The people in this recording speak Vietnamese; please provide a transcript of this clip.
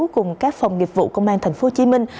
cùng các phòng nghiệp vụ công an thành phố hồ chí minh